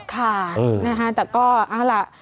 ค่ะนะฮะแต่ก็เอาล่ะ